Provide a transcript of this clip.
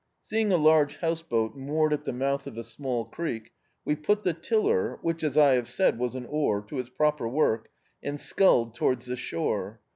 Seeing a large house boat moored at the mouth of a small creek, we put the tiller — which as I have said, was an oar — to its proper work, and sculled towards the shore.